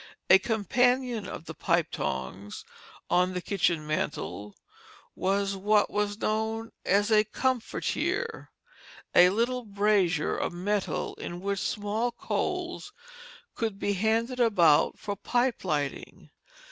A companion of the pipe tongs on the kitchen mantel was what was known as a comfortier a little brazier of metal in which small coals could be handed about for pipe lighting.